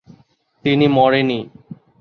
তিনি মরে নি।